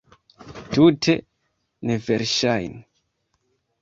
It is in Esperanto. Tute neverŝajne!